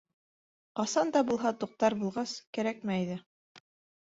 Ҡасан да булһа туҡтар булғас, кәрәкмәй ҙә.